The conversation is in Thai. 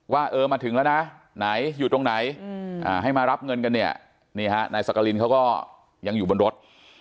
ว่าเออมาถึงแล้วนะไหนอยู่ตรงไหนให้มารับเงินกันเนี่ยนี่ฮะนายสักกรินเขาก็ยังอยู่บนรถ